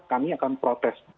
kami akan protes